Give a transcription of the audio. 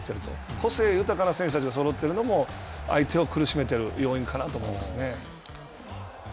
個性豊かな選手たちがそろっているのも相手を苦しめている要因かなと思いますね。